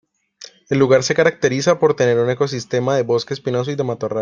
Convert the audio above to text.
El lugar se caracteriza por tener un ecosistema de bosque espinoso y de matorral.